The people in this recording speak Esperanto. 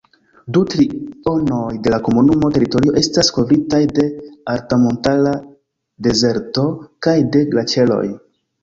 Du trionoj de la komunuma teritorio Estas kovritaj de altmontara dezerto kaj de glaĉeroj.